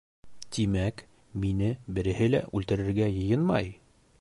Тимәк, мине береһе лә үлтеререгә йыйынмай?